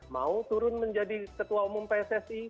mau turun menjadi ketua umum pssi